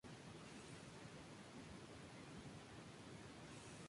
Se trata de un gran edificio formado por dos elementos claramente diferenciados.